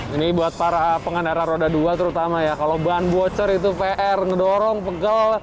ini buat para pengendara roda dua terutama ya kalau ban bocor itu pr ngedorong pegel